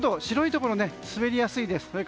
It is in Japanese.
白いところは滑りやすいです。